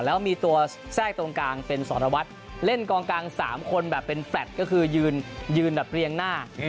แล้วมีตัวแทรกตรงกลางเป็นสรวัตรเล่นกองกลาง๓คนแบบเป็นแฟลตก็คือยืนแบบเรียงหน้า